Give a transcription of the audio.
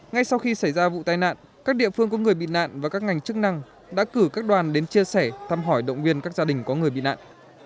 ngay sau khi xảy ra vụ tai nạn các địa phương có người bị nạn và các ngành chức năng đã cử các đoàn đến chia sẻ thăm hỏi động viên các gia đình có người bị nạn